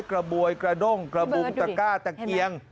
กระบวยกระด้งกระบุงตะก้าตะเกียง